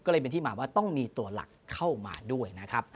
ก็เลยเป็นที่มาว่าต้องมีตัวหลักเข้ามาด้วยนะครับ